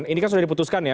ini kan sudah diputuskan ya